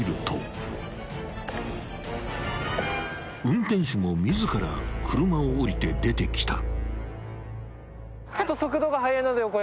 ［運転手も自ら車を降りて出てきた］